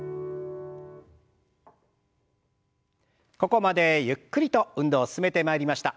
ここまでゆっくりと運動進めてまいりました。